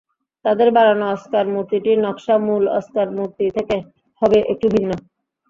তাঁদের বানানো অস্কার মূর্তিটির নকশা মূল অস্কার মূর্তি থেকে হবে একটু ভিন্ন।